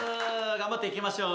頑張っていきましょう。